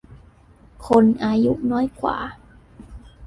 คนอายุน้อยกว่า